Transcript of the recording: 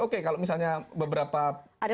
oke kalau misalnya beberapa calon pemerintah